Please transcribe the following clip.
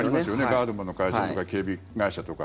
ガードマンの会社とか警備会社とか。